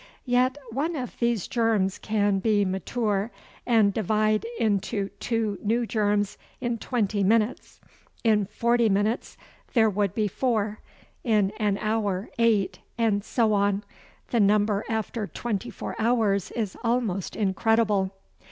Yet one of these germs can be mature and divide into two new germs in twenty minutes. In forty minutes there would be four, in an hour eight, and so on. The number after twenty four hours is almost incredible.